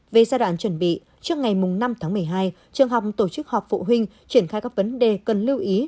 về giai đoạn chuẩn bị trước ngày năm tháng một mươi hai trường học tổ chức họp phụ huynh triển khai các vấn đề cần lưu ý